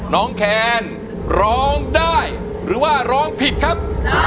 แคนร้องได้หรือว่าร้องผิดครับ